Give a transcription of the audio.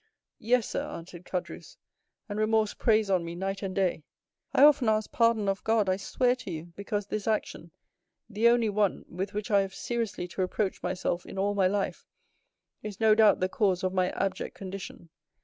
"Yes, sir," answered Caderousse; "and remorse preys on me night and day. I often ask pardon of God, I swear to you, because this action, the only one with which I have seriously to reproach myself in all my life, is no doubt the cause of my abject condition.